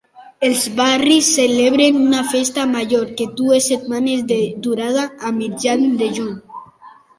Els barris celebren una festa major de dues setmanes de durada a mitjan juny.